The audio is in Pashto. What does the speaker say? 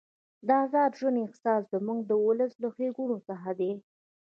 د ازاد ژوند احساس زموږ د ولس له ښېګڼو څخه دی.